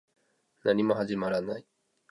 何も始まらない